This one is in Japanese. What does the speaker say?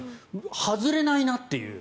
外れないなっていう。